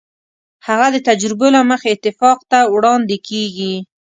هغه د تجربو له مخې اتفاق ته وړاندې کېږي.